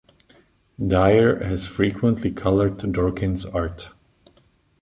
Dyer has frequently colored Dorkin's art.